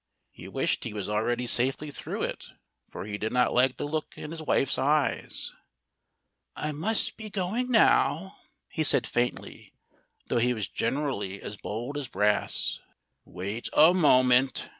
He wished he was already safely through it, for he did not like the look in his wife's eyes. "I must be going now," he said faintly though he was generally as bold as brass. "Wait a moment!"